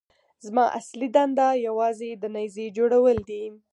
زما اصلي دنده یوازې د نيزې جوړول دي.